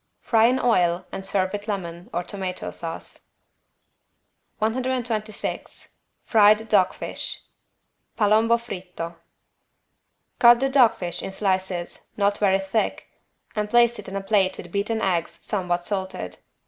Fry in oil and serve with lemon, or tomato sauce. 126 FRIED DOG FISH (Palombo fritto) Cut the dog fish in slices, not very thick, and place it in a plate with beaten eggs somewhat salted.